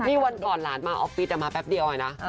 นี่วันก่อนหลานมาออฟฟิศมาแป๊บเดียวเองนะ